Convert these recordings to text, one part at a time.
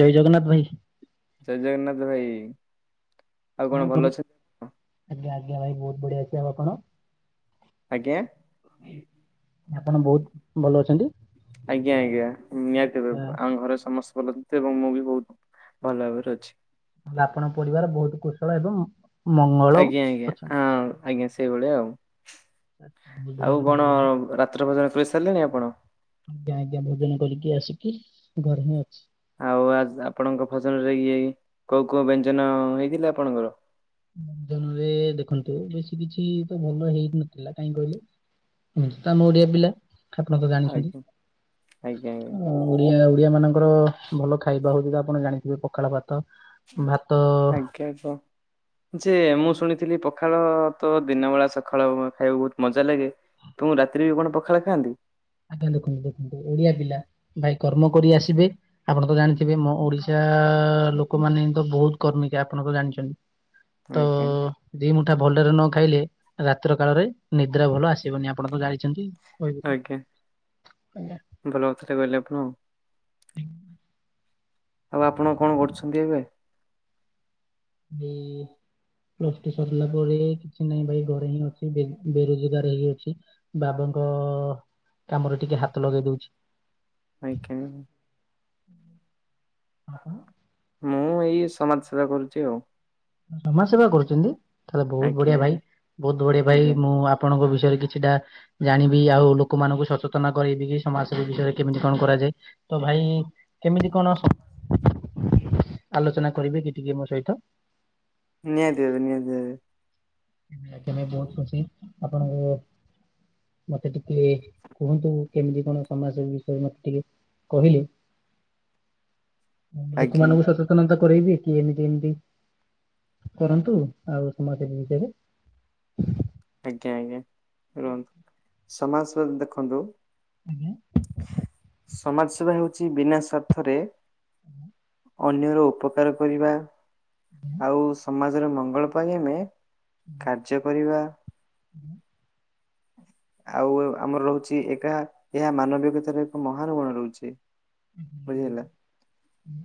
ଜୟ ଜଗନ୍ନାଥ ଭାଇ। ଜୟ ଜଗନ୍ନାଥ ଭାଇ। ଆଉ କଣ ଭଲ କରୁ ଅଛନ୍ତି? ଆପଣ? ଆଜ୍ଞା ଆଜ୍ଞା ଭାଇ ବହୁତ ବଢିଆ ଅଛି ଆଉ ଆପଣ? ଆଜ୍ଞା। ଆପଣ ବହୁତ ଭଲ ଅଛନ୍ତି? ଆଜ୍ଞା ଆଜ୍ଞା ନିହାତି ଭାବେ ତାହେଲେ ଆମ ଘରେ ସମସ୍ତେ ଭଲ ଅ ଏବଂ ମୁଁ ବି ବହୁତ ଭଲ ଭାବରେ ଅଛି। ତାହେଲେ ଆପଣଙ୍କ ପରିବାର ବହୁତ କୁଶଳ ଏବଂ ମଙ୍ଗଳ ଆଜ୍ଞା ଆଜ୍ଞା ଅଛନ୍ତି। ହଁ। ଆଜ୍ଞା ସେଇଭଳିଆ ଆଉ, ବହୁତ ବଢିଆ ଆଉ କଥା କଣ କହିଲେ ଭାଇ ରାତ୍ର ଭୋଜନ କରିସାରିଲେଣି ଆପଣ? ଆଜ୍ଞା ଆଜ୍ଞା ଭୋଜନ କରିକି ଆସିକି ଗରମ ଅଛି। ଆଉ ଆଜ ଆପଣଙ୍କ ଭୋଜନରେ ଇଏ କୋଉ କୋଉ ବ୍ୟଞ୍ଜନ ହେଇଥିଲେ ଆପଣଙ୍କର? ବ୍ୟଞ୍ଜନରେ-ଏ-ଏ-ଏ ଦେଖନ୍ତୁ ବେଶୀ କିଛି-ଇ ତ ଭଲ ହେଇ ନଥିଲା କାହିଁ କହିଲେ ତ ଓଡିଆ ପିଲା ଆପଣ ତ ଜାଣିଛନ୍ତି ଆଜ୍ଞା ଆଜ୍ଞା ଉ-ଉ ଓଡ଼ିଆ ଓଡ଼ିଆ ମାନଙ୍କର-ଅ-ଅ ଭଲ ଖାଇବା ହଉଛି ତ ଆପଣ ଜାଣିଥିବେ ପଖାଳ ଭାତ୍ ତ ଭାତ-ଅ-ଅ-ଅ [unintelligible] ଯେ ମୁଁ ଶୁଣିଥିଲି ପଖାଳ-ଅ-ଅ ତ ଦିନ ବେଳା ସଖାଳ ଅ ଖାଇବାକୁ ବହୁତ ମଜା ଲାଗେ। ତମର ରାତିରେ ବି କଣ ପଖାଳ ଖାଆନ୍ତି? ଆଜ୍ଞା ଦେଖନ୍ତୁ ମୁଁ ଓଡିଆ ପିଲା ଭାଇ କର୍ମ କରି ଆସିବେ ଆପଣ ତ ଜାଣିଥିବେ ମୋ ଓଡ଼ିଶା-ଆ-ଆ-ଆ ଲୋ କମାନେ ତ ବହୁତ କର୍ମୀକା ଆପଣ ତ ଜାଣିଛନ୍ତି ଆଜ୍ଞା ତ-ଅ-ଅ-ଅ ଦି ମୁଠା ଭଲରେ ନ ଖାଇଲେ ରାତ୍ର କାଳରେ ନିଦ୍ରା ଭଲ ଆସିବନି ଆପଣ ତ ଜାଣିଛନ୍ତି। କହିବି କଣ ଆଜ୍ଞ। [unintelligible] ଭଲ କଥାଟେ କହିଲେ ଆପଣ। ଆଉ ଆପଣ କଣ କରୁଛନ୍ତି ଏବେ? ଏଇ-ଇ-ଇ-ଇ ପ୍ଲସ ଥ୍ରୀ ସରିଲା ପରେ-ଏ-ଏ କିଛି ନାଇଁ ଭାଇ ଘରେ ହିଁ ଅ ଛି ବେ ବେରୋଜଗାର ହେଇ ଅଛି ବାବାଙ୍କ-ଅ-ଅ-ଅ-ଅ କାମରେ ଟିକେ ହାତ ଲଗେଇ ଦଉଛି। ଆଜ୍ଞା। ଆପଣ ମୁଁ ଏଇ ସମାଜ ସେବା କରୁଛି ଆଉ। ସମାଜ ସେବା କରୁଛନ୍ତି ତାହେଲେ ବହୁତ ଆଜ୍ଞା ବଢିଆ ଭାଇ ଆଜ୍ଞା। ବହୁତ ବଢିଆ ଭାଇ ଆଜ୍ଞା। ମୁଁ-ଉ-ଉ ଆ ଆପଣଙ୍କ ବିଷୟରେ କିଛିଟା ଜାଣିବି ଆଉ ଲୋକମାନଙ୍କୁ ସଚେତନ କରବି ସମାଜସେବି ବିଷୟରେ କେମିତି କଣ କରାଯାଏ ତ ଭାଇ-ଇ-ଇ କେମିତି କଣ ଆଲୋଚନା କରିବେ କି ଟିକେ ମୋ ସହିତ? ନିହାତି ଭାବେ ନିହାତି ଭାବେ। ଆମ ବହୁତ ଖୁସି ଆପଣଙ୍କୁ ମତେ ଟିକେ କୁହନ୍ତୁ କେମିତି କଣ ସମାଜ ସେବା ବିଷୟରେ ମତେ ଟିକେ କହିଲେ ଆଜ୍ଞା ଲୋକମାନଙ୍କୁ ସହିତ ସନତା କରେଇବି କି ଏମିତି ଏମିତି କରନ୍ତୁ ଆଉ ସମାଜ ବିଷୟରେ ଆଜ୍ଞା ଆଜ୍ଞା ରୁହନ୍ତୁ ସମାଜସବା ଦେଖନ୍ତୁ ଆଜ୍ଞ ସମାଜ ସେବା ହେଉଛି ବିନା ସ୍ୱାର୍ଥରେ ହୁଁ ଅନ୍ୟର ଉପକାର କରିବା ଆଉ ସମାଜର ମଙ୍ଗଳ ପାଇଁ ଆମେ କାର୍ଯ୍ୟ କରିବା ହୁଁ ଆଉ ଆମର ରହୁଛି ଏକା ଏହା ମାନବିକତାର ଏକ ମହାନ ଗୁଣ ରହୁଛି। ହୁଁ ହୁଁ ବୁଝିହେଲା। ହୁଁଁ ହୁଁ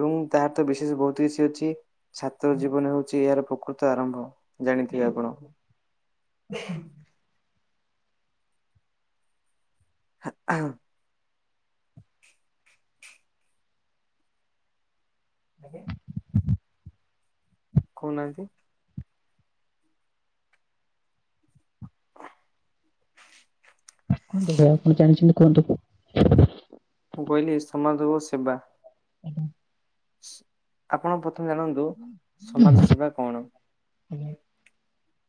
ଏବଂ ତାର ତ ବିଶେଷ ବହୁତ କିଛି ଅଛି ଛାତ୍ର ଜୀବନରେ ହଉଛି ଏହାର ପ୍ରକୃତ ଆରମ୍ଭ। ଜାଣିଥିବେ ଆପଣ। ହ ହଁ ଆଜ୍ଞା। କହୁନାହାନ୍ତି। ଯୋଉଟା ଆପଣ ଜାଣିଛନ୍ତି କୁହନ୍ତୁ। ମୁଁ କହିଲି ସମାଜ ଓ ସେବା। ଆଜ୍ଞା। ଆପଣ ପ୍ରଥମେ ଜାଣନ୍ତୁ ସମାଜ ସେବା କଣ? ହୁଁ।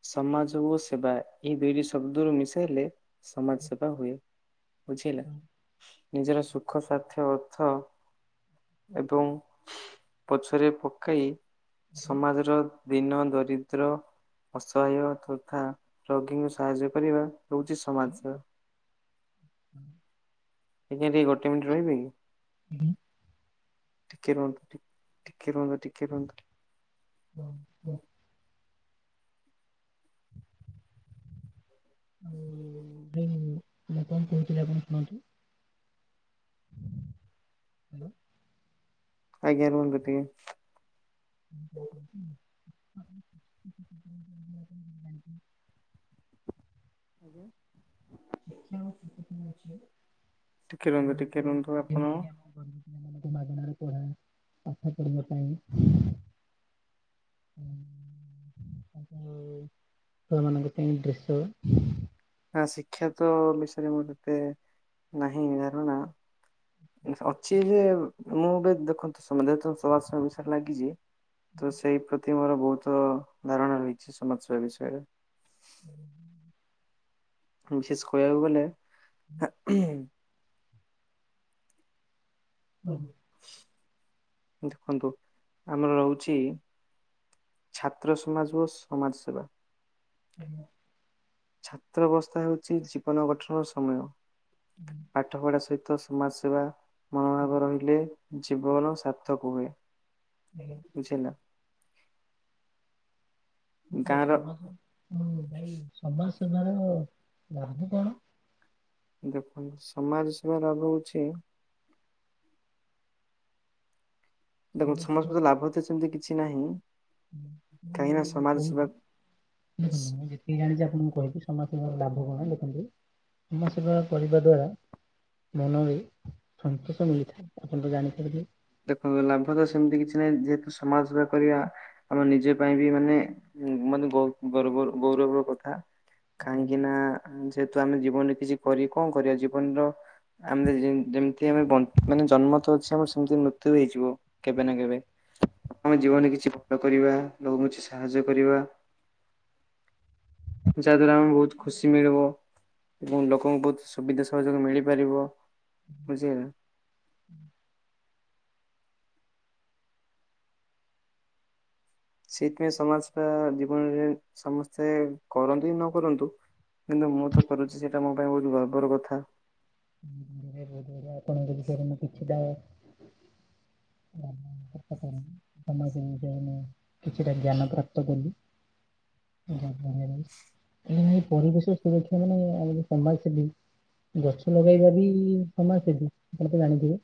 ସମାଜ ଓ ସେବା ଏଇ ଦୁଇଟି ଶବ୍ଦରୁ ମିଶାଇଲେ ସମାଜ ସେବା ହୁଏ। ବୁଝିହେଲା ନିଜର ସୁଖ ସାର୍ଥ ଅର୍ଥ ଏବଂ ପଛରେ ପକାଇ ସମାଜର ଦିନ ଦରିଦ୍ର ଅସହାୟ ତଥା ରୋଗୀଙ୍କୁ ସାହାଯ୍ୟ କରିବା ହଉଚି ସମାଜସେବା। ଆଜ୍ଞା ଟିକେ ଗୋଟେ ମିନିଟ୍ ରହିବେକି? ହୁଁ। ଟିକେ ରୁହନ୍ତୁ ଟିକେ ରୁହନ୍ତୁ ଟିକେ ରୁହନ୍ତୁ। ହୁଁ ହୁଁ। ଆଉ ଭାଇ ମୁଁ କଣ କହୁଥିଲି ଆପଣ ଶୁଣନ୍ତୁ। [unintelligible] ହ୍ୟାଲୋ ଆଜ୍ଞା ରୁହନ୍ତୁ ଟିକେ। ହୁଁ ହୁଁ ହୁଁ। ଜାଣିଛନ୍ତି [unintelligible] ଟିକେ ରୁହନ୍ତୁ ଯେମିତି ଟିକେ ରୁହନ୍ତୁ ଆପଣ। [unintelligible] ପାଠ ପଢ଼ି ବା ପାଇଁ। ଉଁ, [unintelligible] ଛୁଆ ମାନଙ୍କ ପାଇଁ ଡ୍ରେସ ନା ଶିକ୍ଷା ତ ବିଷୟରେ ମୁଁ ହେତେ ନାହିଁ ଧାରଣା ଅଛି ଯେ ମୁଁ ଏବେ ଦେଖନ୍ତୁ [unintelligible] ଲାଗିଚି ତ ସେଇ ପ୍ରତି ମୋର ବହୁତ ଧାରଣା ରହିଚି ସମାଜ ସେେବା ବିଷୟରେ। ବିଶେଷ କହିବାକୁ ଗଲେ [unintelligible] ଦେଖନ୍ତୁ ଆମର ରହୁଚି ଛାତ୍ର ସମାଜ ଓ ସମାଜ ସେବା ଛାତ୍ର ଅବସ୍ଥା ହେଉଚି ଜୀବନ ଗଠନର ସମୟ। ପାଠ ପଢା ସହିତ ସମାଜ ସେବା ମନୋଭାବ ରହିଲେ ଜୀବନ ସାର୍ଥକ ହୁଏ ବୁଝିହେଲା। ଗାଁର ସମାଜ ହୁଁ ଭାଇ ସମାଜ ସେବାର ଲାଭ କଣ? ଦେଖନ୍ତୁ ସମାଜ ସେବା ଲାଭ ହଉଚି ଦେଖନ୍ତୁ ସମାଜ ସମଜ ସେବା ରେ ଲାଭ ତ ସେମିତି କିଛି ନାହିଁ [unintelligible] କାହିଁକି ନା ସମାଜ ସେବା ଏ ଜାଣିଛି ଆପଣଙ୍କୁ କହିବି ସମାଜସେବାର ଲାଭ କଣ ଦେଖନ୍ତୁ ସମାଜସେବା କରିବା ଦ୍ଵାରା ମନରେ ସନ୍ତୋଷ ମିଳିଥାଏ ଆପଣ ତ ଜାଣିପାରିବେ। ଦେଖନ୍ତୁ ଲାଭ ତ ସେମିତି କିଛି ନାହିଁ ଯେହେତୁ ସମାଜ ସେବା କରିବା ଆମ ନିଜ ପାଇଁ ବି ମାନେ ମାନେ ବହୁତ ଗର୍ବ ଗୌରବର କଥା। କାହିଁକିନା ଯେହେତୁ ଆମେ ଜୀବନରେ କିଛି କରି କଣ କରିବା ଜୀବନର ଆମେ ଜେମ୍ ଯେମିତି ଆମେ ମାନେ ବଞ୍ଚ ଜନ୍ମ ତ ଅଛି ଆମର ସେମିତି ମୃତ୍ୟୁ ହେଇଯିବ କେବେ ନା କେବେ। ଆମ ଜୀବନରେ କିଛି ଭଲ କରିବା ଲୋକଙ୍କୁ କିଛି ସାହାଯ୍ୟ କରିବା। ଯାହା ଦ୍ଵାରା ଆମେ ବହୁତ ଖୁସି ମିଳିବ। ଏବଂ ଲୋକଙ୍କପ୍ରତି ବହୁତ ସୁବିଧା ସହଯୋଗ ମିଳିପାରିବ ବୁଝିହେଲା। ସେଇଥିପାଇଁ ସମାଜବା ଜୀବନରେ ସମସ୍ତେ କରନ୍ତୁ କି ନ କରନ୍ତୁ କିନ୍ତୁ ମୁଁ ତ କରୁଛି ସେଇଟା ମୋ ପାଇଁ ବହୁତ ଗର୍ବର କଥା। [inaudible] ଆପଣ ବୁଝିପାରିବେ ନା କିଛି ଟାଉର୍ [unintelligible] [unintelligible] ତମେ କେମିତି ଜାଣିଲ ମୁଁ କିଛିଟା ଜ୍ଞାନ ପ୍ରାପ୍ତ କଲି [unintelligible] ମାନ ନୁହେଁ ପରିବେଶ ସୁରକ୍ଷା ମାନେ ସମାଜ ସେବୀ [unintelligible] ଗଛ ଲଗେଇବା ବି ସମସ୍ତେ ବି ଆପଣ ତ ଜାଣିଥିବେ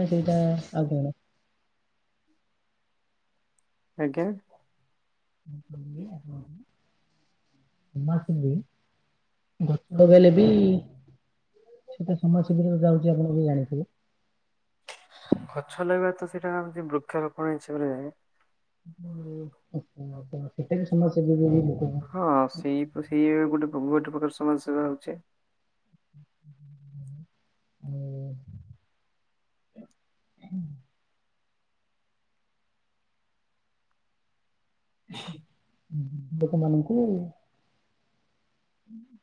ନା ସେଇଟା ଆଉ କଣ ଆଜ୍ଞା। ଆପଣଙ୍କୁ [inaudible] ସମାଜ ସେବି ଗଛ ଲଗାଇଲେ ବି ସେଟା ସମାଜ ସେବିରେ ବୋଧେ ଯାଉଛି ଆପଣ ବି ଜାଣିଥିବେ। ଗଛ ଲଗବାତ ସେଇଟା ଆମ ବୃକ୍ଷରୋପଣ ହିସାବରେ ଓହୋ ସେଟା ବି ସମାଜ ସେବି ବୋଲି ଲୋକମାନେ [unintelligible] ତ ସିଏ ଗୋଟେ ଗୋଟେ ପ୍ରକାର ସାଜ ସେବା ହଉଛି। ହୁଁ [inaudible] [unintelligible] ଲୋକମାନଙ୍କୁ [inaudible]